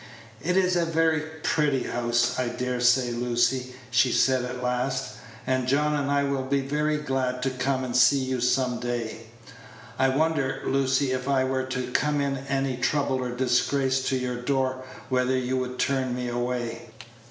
"It's a very pretty house, I dare say, Lucy," she said at last, "and John and I will be very glad to come and see you some day. I wonder, Lucy, if I were to come in any trouble or disgrace to your door, whether you would turn me away?"